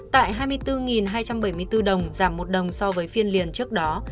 tại hai mươi bốn hai trăm bảy mươi bốn đồng giảm một đồng so với phiên liền trước đó